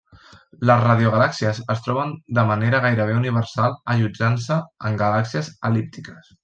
Les radiogalàxies es troben de manera gairebé universal allotjant-se en galàxies el·líptiques.